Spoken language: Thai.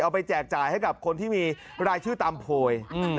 ไปแจกจ่ายให้กับคนที่มีรายชื่อตามโพย